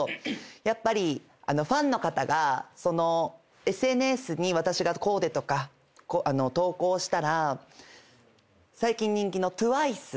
やっぱりファンの方がＳＮＳに私がコーデとか投稿したら最近人気のＴＷＩＣＥ？